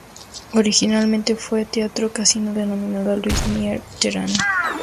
Originalmente fue un Teatro Casino, denominado Luis Mier y Terán.